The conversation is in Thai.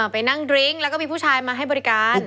ไปนั่งดริ้งแล้วก็มีผู้ชายมาให้บริการ